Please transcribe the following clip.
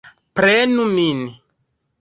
Prenu min!